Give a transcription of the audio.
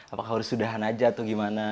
apakah harus sudahan aja atau gimana